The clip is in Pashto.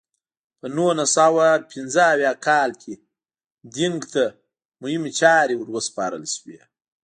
په نولس سوه پنځه اویا کال کې دینګ ته مهمې چارې ور وسپارل شوې.